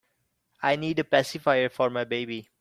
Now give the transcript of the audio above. I need a pacifier for my baby.